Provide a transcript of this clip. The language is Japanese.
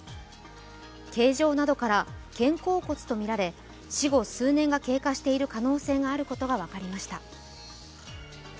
形状などから肩甲骨とみられ死後、数年が経過している可能性があることが分かりました。